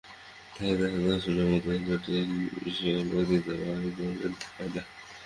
তাই আর আমাকে দর্শনের মত জটিল বিষয়ের বক্তৃতা ভাবে বার করতে হয় না।